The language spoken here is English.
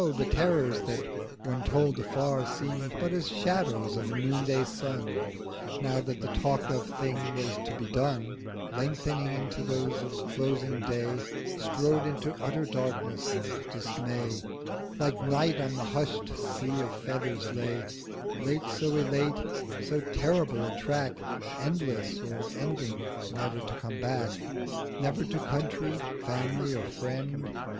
the Terrors that, when told afar, Seem'd but as Shadows of a Noonday Sun, Now that the talkt of Thing was to be done, 1300 Lengthening into those of closing Day Strode into utter Darkness: and Dismay Like Night on the husht Sea of Feathers lay, Late so elate—'So terrible a Track! Endless—or, ending, never to come back!— Never to Country, Family, or Friend!'